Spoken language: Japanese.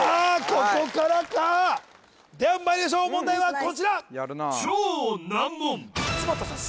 ここからかではまいりましょう問題はこちら勝間田さん